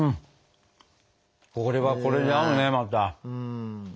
これはこれで合うねまた。